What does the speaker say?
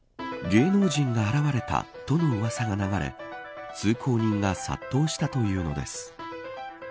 芸能人が現れたとのうわさが流れ通行人が殺到したというのです。